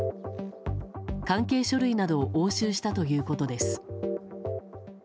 関係書類などを押収したということです。